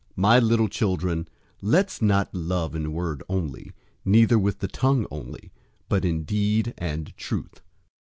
003:018 My little children, let's not love in word only, neither with the tongue only, but in deed and truth.